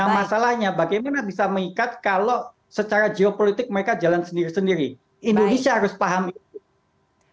masalahnya bagaimana bisa mengikat kalau secara geopolitik mereka jalan sendiri sendiri indonesia harus paham itu